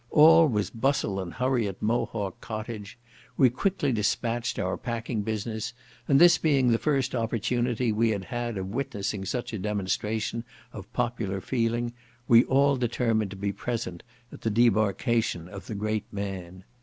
All was bustle and hurry at Mohawk cottage; we quickly dispatched our packing business, and this being the first opportunity we had had of witnessing such a demonstration of popular feeling, we all determined to be present at the debarkation of the great man.